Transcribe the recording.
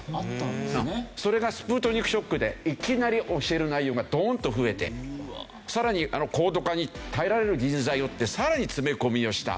それがスプートニクショックでいきなり教える内容がドーンと増えてさらに高度化に耐えられる人材をってさらに詰め込みをした。